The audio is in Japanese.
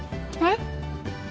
はい？